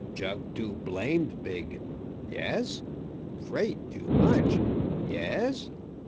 Jug too blamed big. Yes? Freight too much. Yes?